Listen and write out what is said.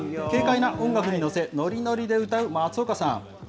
軽快な音楽に乗せ、のりのりで歌う松岡さん。